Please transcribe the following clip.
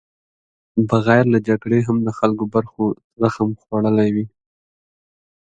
بغیر له جګړې هم د خلکو برخو زخم خوړلی وي.